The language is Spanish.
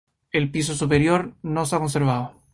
El piso superior no se ha conservado.